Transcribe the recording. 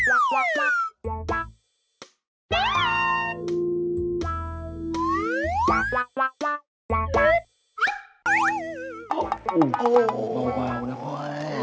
โอ้โอ้โอ้โอ้วว่าแล้วไปบ่าเถย